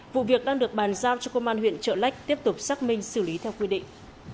vụ việc đang được bàn giao cho công an huyện trợ lách tiếp tục xác minh xử lý theo quy định